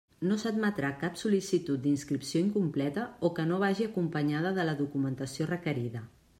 No s'admetrà cap sol·licitud d'inscripció incompleta o que no vagi acompanyada de la documentació requerida.